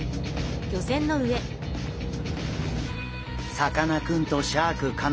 さかなクンとシャーク香音さん